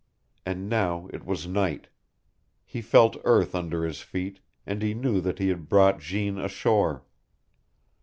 And now it was night. He felt earth, under his feet, and he knew that he had brought Jeanne ashore.